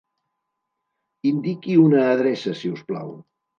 Indiqui una adreça, si us plau.